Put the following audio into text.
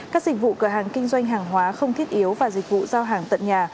các dịch vụ cửa hàng kinh doanh hàng hóa không thiết yếu và dịch vụ giao hàng tận nhà